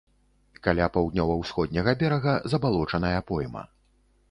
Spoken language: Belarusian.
Каля паўднёва-ўсходняга берага забалочаная пойма.